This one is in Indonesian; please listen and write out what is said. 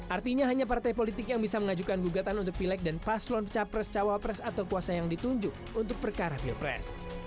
artinya hanya partai politik yang bisa mengajukan gugatan untuk pilek dan paslon capres cawapres atau kuasa yang ditunjuk untuk perkara pilpres